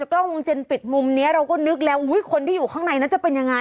กล้องวงจรปิดมุมนี้เราก็นึกแล้วคนที่อยู่ข้างในนั้นจะเป็นยังไง